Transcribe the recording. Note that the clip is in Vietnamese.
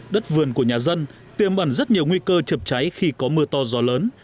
đất vườn của nhà dân tiêm ẩn rất nhiều nguy cơ chập cháy khi có mưa to gió lớn